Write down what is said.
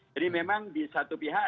jadi memang di satu pihak